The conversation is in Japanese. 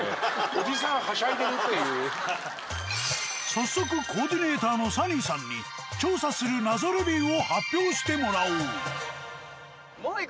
早速コーディネーターのサニーさんに調査する謎レビューを発表してもらおう。